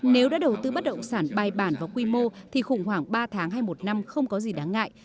nếu đã đầu tư bất động sản bài bản vào quy mô thì khủng hoảng ba tháng hay một năm không có gì đáng ngại